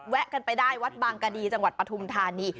แวะกันไปได้วัดบางกดีจังหวัดปฐุมธานี